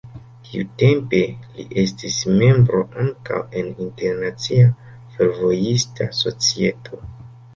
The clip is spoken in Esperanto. Tiutempe li estis membro ankaŭ en internacia fervojista societo.